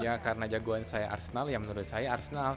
ya karena jagoan saya arsenal ya menurut saya arsenal